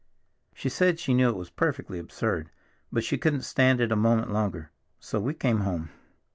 She said she knew it was perfectly absurd, but she couldn't stand it a moment longer. So we came home."